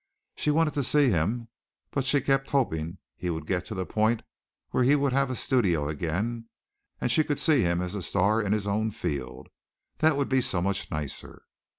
She wanted to see him but she kept hoping he would get to the point where he would have a studio again and she could see him as a star in his own field. That would be so much nicer.